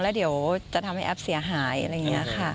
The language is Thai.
แล้วเดี๋ยวจะทำให้แอฟเสียหายอะไรอย่างนี้ค่ะ